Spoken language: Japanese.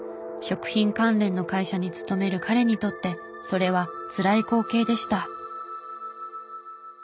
食品関連の会社に勤める彼にとってそれはつらい光景でした。